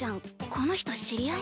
この人知り合い？